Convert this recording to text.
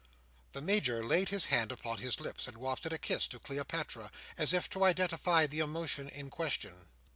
The Major laid his hand upon his lips, and wafted a kiss to Cleopatra, as if to identify the emotion in question.